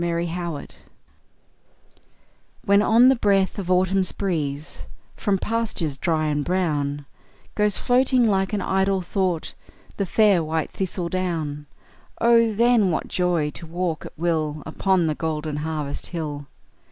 GOULD CORN FIELDS When on the breath of Autumn's breeze, From pastures dry and brown, Goes floating, like an idle thought, The fair, white thistle down, Oh, then what joy to walk at will Upon the golden harvest hill!